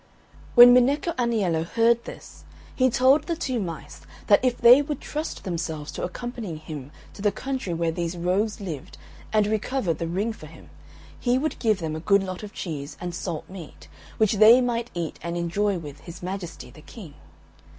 When Minecco Aniello heard this, he told the two mice that if they would trust themselves to accompany him to the country where these rogues lived and recover the ring for him, he would give them a good lot of cheese and salt meat, which they might eat and enjoy with his majesty the King.